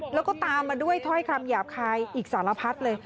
แล้วก็ตามมาด้วยถ้อยคำหยาบคายอีกสารพัดเลย